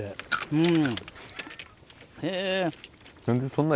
うん。